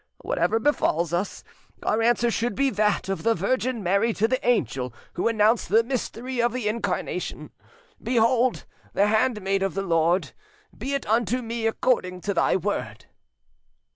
Whatever befalls us, our answer should be that of the Virgin Mary to the angel who announced the mystery of the Incarnation: 'Behold the handmaid of the Lord; be it unto me according to Thy word.